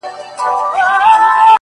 مُريد ښه دی ملگرو او که پير ښه دی